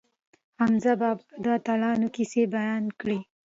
حمزه بابا د اتلانو کیسې بیان کړې.